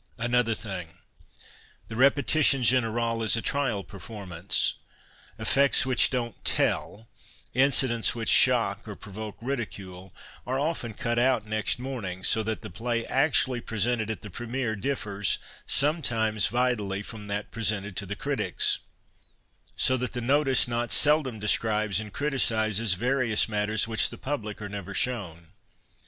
Another thing. The repetition generale is a trial performance. Effects which don't " tell," incidents which shock or provoke ridicule, arc often cut out next morning, so that the play actually presented at the premiere differs, sometimes vitally, from that presented to the critics, so that the " notice " not seldom describes and criticizes various matters which the public are never shown.